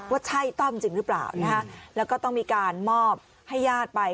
ว่าใช่ต้อมจริงหรือเปล่านะฮะแล้วก็ต้องมีการมอบให้ญาติไป